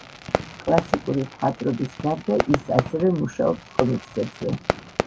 კლასიკური მხატვრობის გარდა, ის ასევე მუშაობს კომიქსებზე.